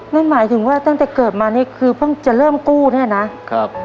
นั่นหมายถึงว่าตั้งแต่เกิดมานี่คือเพิ่งจะเริ่มกู้เนี่ยนะครับ